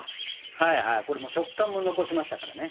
はいはいこれ食感も残しましたからね。